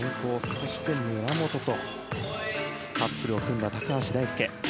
そして村元とカップルを組んだ高橋大輔。